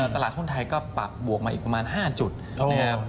ตลาดหุ้นไทยก็ปรับบวกมาอีกประมาณ๕จุดนะครับ